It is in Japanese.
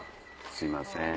すいません。